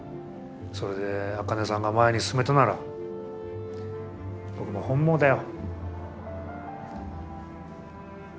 それで茜さんが前に進めたなら本望だよ。